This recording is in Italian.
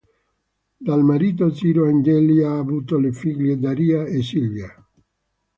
Dal marito Siro Angeli ha avuto le figlie Daria e Silvia.